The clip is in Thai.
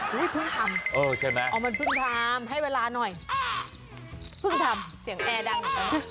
เพิ่งทำใช่ไหมอ๋อมันเพิ่งทำให้เวลาหน่อยเพิ่งทำเสียงแอร์ดัง